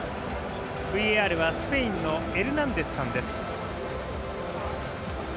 ＶＡＲはスペインのエルナンデスさんです。